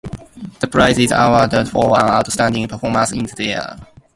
The prize is awarded for an outstanding performance in the theatre.